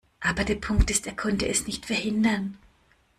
Aber der Punkt ist, er konnte es nicht verhindern.